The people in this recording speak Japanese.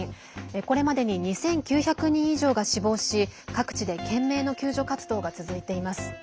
これまでに２９００人以上が死亡し各地で懸命の救助活動が続いています。